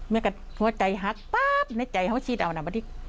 แม่ก็หัวใจหักป๊าบในใจเขาฉีดเอานะมาที่